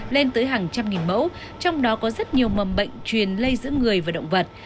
lên tới hàng trăm nghìn mẫu trong đó có rất nhiều mầm bệnh truyền lây giữa người và động vật